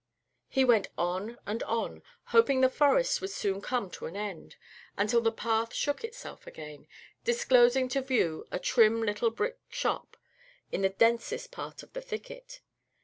He went on and on, hoping the forest would soon come to an end, until the path shook itself again, disclosing to view a trim little brick shop in the densest part of the thicket.